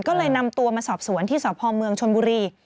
ก็เลยนำตัวมาสอบสวนที่สพเมืองชนบุรี